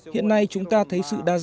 hiện nay chúng ta thấy sự đa dạng